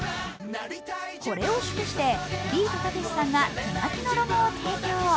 これを祝して、ビートたけしさんが手書きのロゴを提供。